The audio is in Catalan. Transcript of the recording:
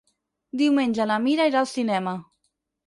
Diumenge na Mira irà al cinema.